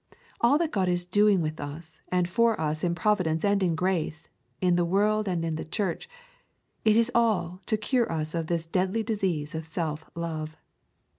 All that God is doing with us and for us in providence and in grace, in the world and in the church, it is all to cure us of this deadly disease of self love.